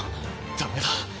ダメだ。